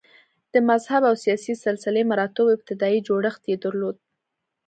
د مذهب او سیاسي سلسه مراتبو ابتدايي جوړښت یې درلود